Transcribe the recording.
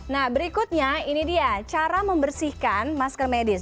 nah berikutnya ini dia cara membersihkan masker medis